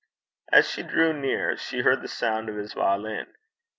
As she drew near she heard the sounds of his violin.